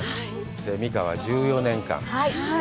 美佳は１４年間。